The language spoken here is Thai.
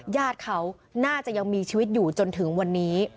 ญาติเขาน่าจะยังมีชีวิตอยู่จนถึงวันนี้